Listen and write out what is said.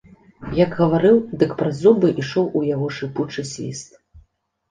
Як гаварыў, дык праз зубы ішоў у яго шыпучы свіст.